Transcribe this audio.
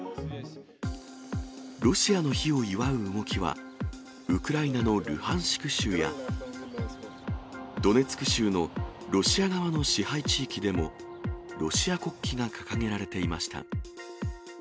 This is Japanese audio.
ロシアの日を祝う動きは、ウクライナのルハンシク州や、ドネツク州のロシア側の支配地域でも、ロシア国旗が掲げられていました。